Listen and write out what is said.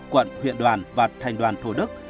hai mươi một quận huyện đoàn và thành đoàn thổ đức